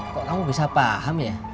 kok kamu bisa paham ya